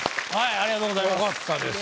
ありがとうございます。